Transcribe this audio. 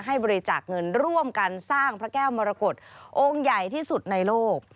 ให้บริจาคเงินร่วมกันสร้างพระแก้วมรกฏองค์ใหญ่ที่สุดในโลก